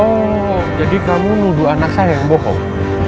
oh jadi kamu menuduh anak saya yang bohong